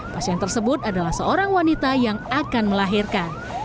pasien tersebut adalah seorang wanita yang akan melahirkan